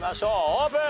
オープン！